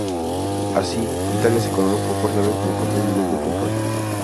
Así, Italia se coronó por cuarta vez como campeón mundial de fútbol.